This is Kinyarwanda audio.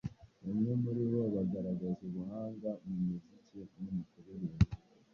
bamwe muri bo bagaragazaga ubuhanga mu muziki no kuririmba,